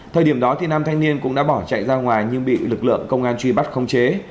thời điểm đó nam thanh niên cũng đã bỏ chạy ra ngoài nhưng bị lực lượng công an truy bắt không chế